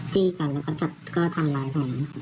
จี้กันแล้วก็จัดก็ทำร้ายแบบนี้